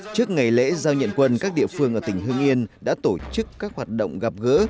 trước ngày lễ giao nhận quân các địa phương ở tỉnh hưng yên đã tổ chức các hoạt động gặp gỡ